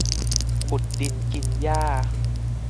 ขุดดินกินหญ้า